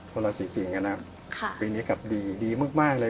คนเราสีสีงนะครับปีนี้กลับดีดีมากเลย